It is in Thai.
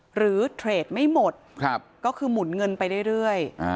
หรือเทรดไม่หมดครับก็คือหมุนเงินไปเรื่อยอ่า